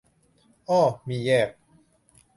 อ้อ มีแยก